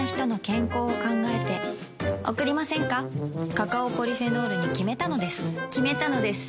カカオポリフェノールに決めたのです決めたのです。